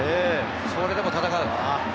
それでも戦う。